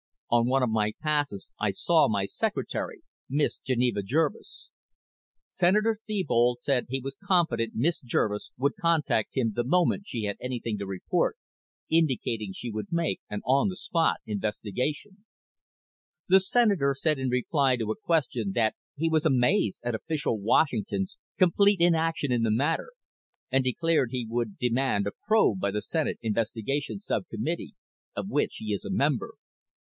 On one of my passes I saw my secretary, Miss Geneva Jervis."_ _Sen. Thebold said he was confident Miss Jervis would contact him the moment she had anything to report, indicating she would make an on the spot investigation._ _The Senator said in reply to a question that he was "amazed" at official Washington's "complete inaction" in the matter, and declared he would demand a probe by the Senate Investigations Subcommittee, of which he is a member.